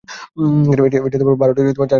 এটি ভারতের ঝাড়খণ্ড প্রদেশে অবস্থিত।